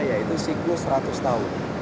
yaitu siklus seratus tahun